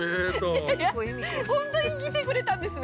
◆いやいや、本当に来てくれたんですね。